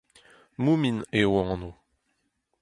Moomin eo o anv.